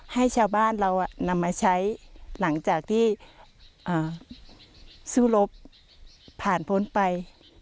ให้ชาวบ้านเรานำมาใช้หลังจากที่สู้รบผ่านพ้นไป